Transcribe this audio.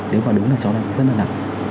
nếu mà đúng là cháu sẽ rất là lạ